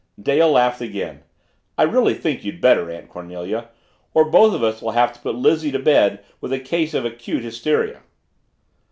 Dale laughed again. "I really think you'd better, Aunt Cornelia. Or both of us will have to put Lizzie to bed with a case of acute hysteria."